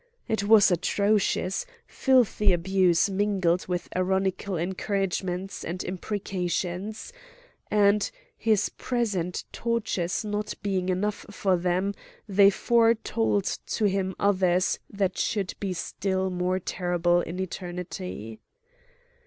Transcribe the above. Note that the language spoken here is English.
It was atrocious, filthy abuse mingled with ironical encouragements and imprecations; and, his present tortures not being enough for them, they foretold to him others that should be still more terrible in eternity.